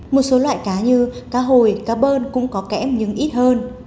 một số loại cá như cá hồi cá bơn cũng có kẽm nhưng ít hơn